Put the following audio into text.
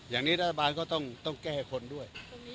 อย่างนี้รัฐบาลก็ต้องแก้คนด้วย